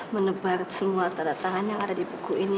menebar semua tanda tangan yang ada di buku ini